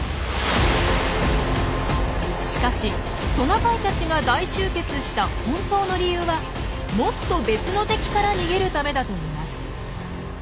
しかしトナカイたちが大集結した本当の理由はもっと別の敵から逃げるためだといいます。